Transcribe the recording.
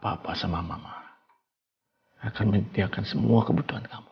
papa sama mama akan menyediakan semua kebutuhan kamu